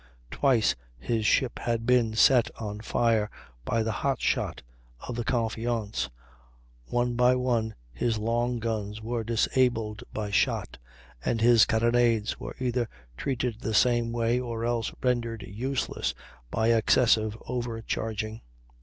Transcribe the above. Twice his ship had been set on fire by the hot shot of the Confiance; one by one his long guns were disabled by shot, and his carronades were either treated the same way or else rendered useless by excessive overcharging.